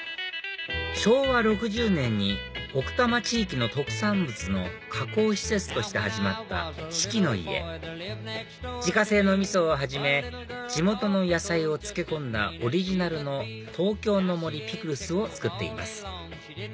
昭和６０年に奥多摩地域の特産物の加工施設として始まった四季の家自家製の味噌をはじめ地元の野菜を漬け込んだオリジナルの東京の森ピクルスを作っています